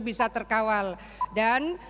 bisa terkawal dan